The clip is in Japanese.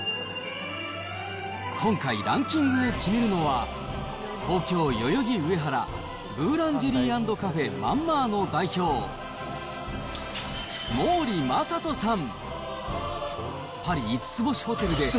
今回、ランキングを決めるのは、東京・代々木上原、ブーランジェリー＆カフェマンマーノ代表、毛利将人さん。